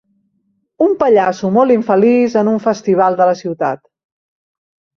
Un pallasso molt infeliç en un festival de la ciutat.